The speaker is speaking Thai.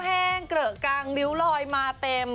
ก็แห้งเกรอะกังนิ้วลอยมาเต็ม